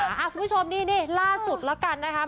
สินะคุณผู้ชมนี้นี้ล่าสุดระกันนะครับ